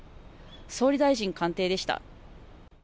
総理大臣官邸でした。